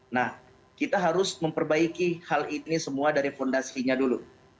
nah kita harus memperbaiki hal ini semua dari fondasinya dulu